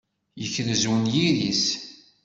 Yekrez unyir-is.